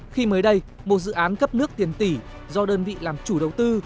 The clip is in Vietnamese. khi mới đây một dự án cấp nước tiền tỷ do đơn vị làm chủ đầu tư